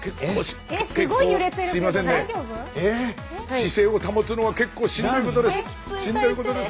姿勢を保つのは結構しんどいことです。